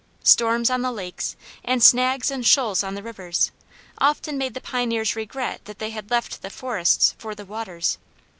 Storms on the lakes, and snags and shoals on the rivers, often made the pioneers regret that they had left the forests for the waters.